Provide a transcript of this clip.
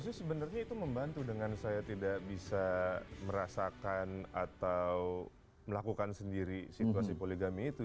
sebenarnya itu membantu dengan saya tidak bisa merasakan atau melakukan sendiri situasi poligami itu